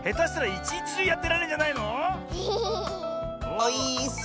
オイーッス！